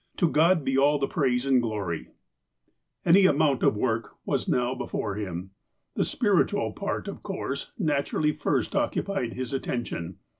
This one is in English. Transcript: " To God be all the praise and glory !" Auy amount of work was now before Mm. The spiritual part, of course, naturally first occupied his at tention.